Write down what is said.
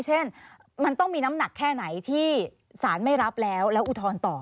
เช่นมันต้องมีน้ำหนักแค่ไหนที่สารไม่รับแล้วแล้วอุทธรณ์ต่อ